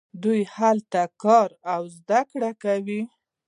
دوی هلته کار او زده کړه کوي.